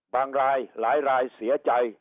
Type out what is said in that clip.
บางรายหลายเสียใจ